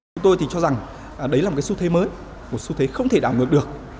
chúng tôi thì cho rằng đấy là một cái xu thế mới một xu thế không thể đảo ngược được